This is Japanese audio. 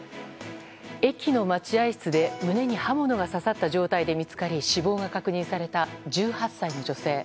駅の待合室で胸に刃物が刺さった状態で見つかり死亡が確認された１８歳の女性。